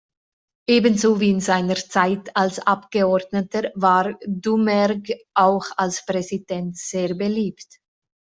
Ebenso wie in seiner Zeit als Abgeordneter war Doumergue auch als Präsident sehr beliebt.